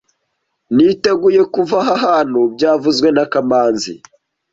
Niteguye kuva aha hantu byavuzwe na kamanzi